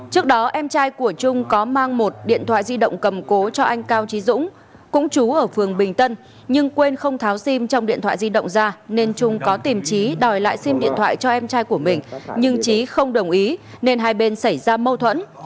trước đó em trai của trung có mang một điện thoại di động cầm cố cho anh cao trí dũng cũng chú ở phường bình tân nhưng quên không tháo sim trong điện thoại di động ra nên trung có tìm trí đòi lại sim điện thoại cho em trai của mình nhưng trí không đồng ý nên hai bên xảy ra mâu thuẫn